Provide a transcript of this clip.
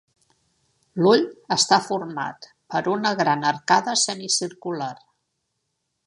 L'ull està format per una gran arcada semicircular.